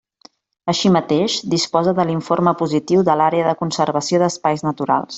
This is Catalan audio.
Així mateix, disposa de l'informe positiu de l'Àrea de Conservació d'Espais Naturals.